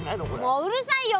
もううるさいよ！